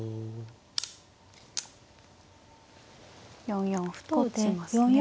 ４四歩と打ちますね。